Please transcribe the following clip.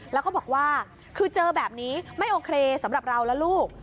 แล้วก็บอกว่าคือเจอแบบนี้ไม่โอเคสำหรับเราและลูก